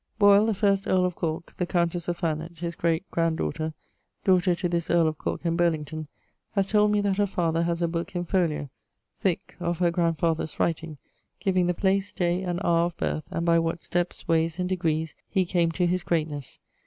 Boyle, the first earle of Corke: the countesse of Thanet, his great grand daughter, daughter to this earle of Corke and Burlington, haz told me that her father has a booke in folio thick of her grandfather's writing, the place, day, and hour of birth, and by what steps, wayes, and degrees he came to his greatnes.